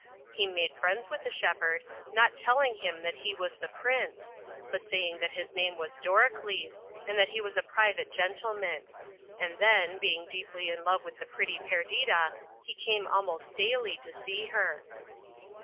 He made friends with the shepherd, not telling him that he was the Prince, but saying that his name was Doricles, and that he was a private gentleman ; and then, being deep ly in love with the pretty Perdita, he came almost daily to see her.